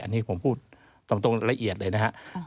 อันนี้ผมพูดตรงละเอียดเลยนะครับ